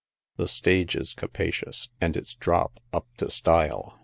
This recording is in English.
The stage is capacious, and its drop up to style.